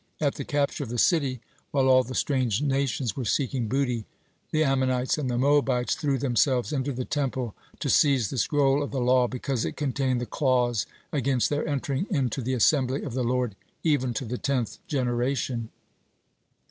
(49) At the capture of the city, while all the strange nations were seeking booty, the Ammonites and the Moabites threw themselves into the Temple to seize the scroll of the law, because it contained the clause against their entering into the "assembly of the Lord even to the tenth generation."